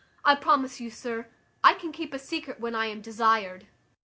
I promise you, sir, I can keep a secret when I am desired.